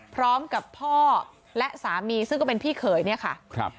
พร้อมกับพ่อและสามีซึ่งก็เป็นพี่เขยเนี่ยค่ะครับ